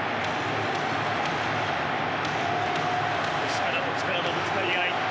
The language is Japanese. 力と力のぶつかり合い。